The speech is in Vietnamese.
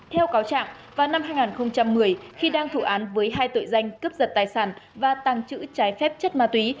theo cáo trạng vào năm hai nghìn một mươi khi đang thụ án với hai tội danh cướp giật tài sản và tăng trữ trái phép chất ma túy